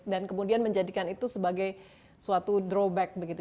dan kemudian menjadikan itu sebagai suatu drawback begitu